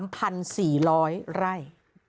๓พันสี่ร้อยไร่